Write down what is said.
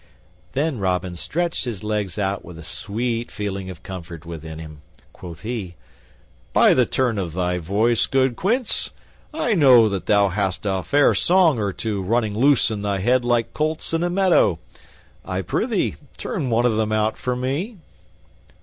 Then Robin stretched his legs out with a sweet feeling of comfort within him. Quoth he, "By the turn of thy voice, good Quince, I know that thou hast a fair song or two running loose in thy head like colts in a meadow. I prythee, turn one of them out for me."